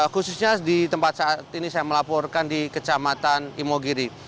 khususnya di tempat saat ini saya melaporkan di kecamatan imogiri